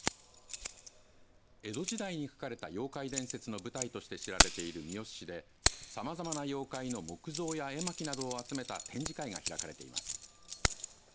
江戸時代に書かれた妖怪伝説の舞台として知られている三次市でさまざまな妖怪の木像や絵巻などを集めた展示会が開かれています。